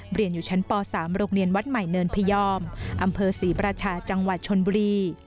เรียนอยู่ชั้นป๓โรงเรียนวัดใหม่เนินพยอมอำเภอศรีราชาจังหวัดชนบุรี